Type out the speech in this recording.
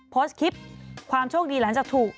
โพสต์คลิปความโชคดีหลังจากถูก